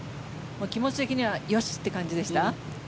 気持ち的にはよし！って感じでした？